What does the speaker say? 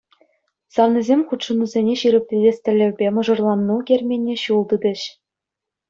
Савнисем хутшӑнусене ҫирӗплетес тӗллевпе мӑшӑрланну керменне ҫул тытӗҫ.